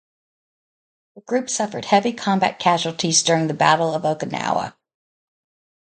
The group suffered heavy combat casualties during the Battle of Okinawa.